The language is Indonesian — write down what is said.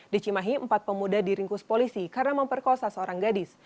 dicimahi empat pemuda diringkus polisi karena memperkosa seorang gadis